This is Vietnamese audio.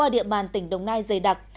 địa bàn tỉnh đồng nai dày đặc